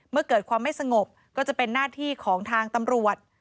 เมื่อเกิดความไม่สงบก็จะเป็นหน้าที่ของทางตำรวจ